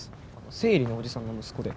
生理のおじさんの息子で。